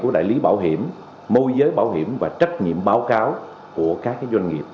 của đại lý bảo hiểm môi giới bảo hiểm và trách nhiệm báo cáo của các doanh nghiệp